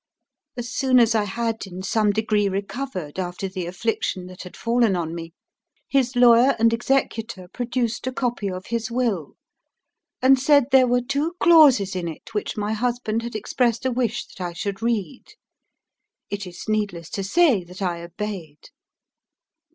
As soon as I had in some degree recovered after the affliction that had fallen on me, his lawyer and executor produced a copy of his will, and said there were two clauses in it which my husband had expressed a wish that I should read. It is needless to say that I obeyed."